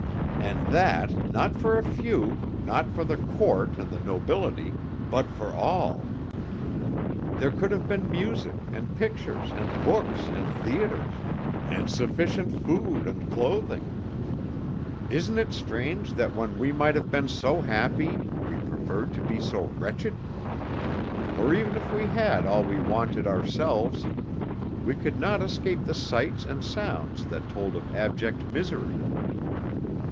And that not for a few, not for the Court and the nobility, but for all. There could have been music and pictures and books and theatres, and sufficient food and clothing. Isn't it strange that when we might have been so happy we preferred to be so wretched? For even if we had all we wanted ourselves, we could not escape the sights and sounds that told of abject misery."